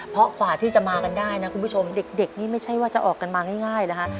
เพราะกว่าที่จะมากันได้นะคุณผู้ชมเด็กนี่ไม่ใช่ว่าจะออกกันมาง่ายนะฮะ